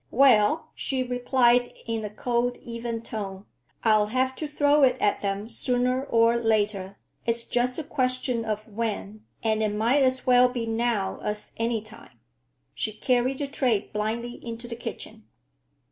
"Well," she replied in a cold, even tone, "I'll have to throw it at them sooner or later. It's just a question of when, and it might as well be now as any time." She carried the tray blindly into the kitchen.